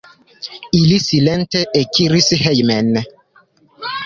Ili silente ekiris hejmen.